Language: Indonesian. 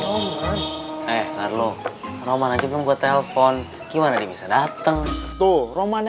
roman eh carlo roman aja belum gua telepon gimana bisa datang tuh romannya